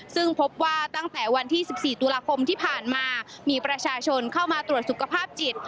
ซึ่งพบว่าตั้งแต่วันที่๑๔ตุลาคมที่ผ่านมามีประชาชนเข้ามาตรวจสุขภาพจิต